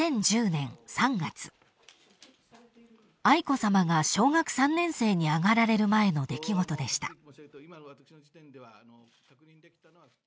［愛子さまが小学３年生に上がられる前の出来事でした］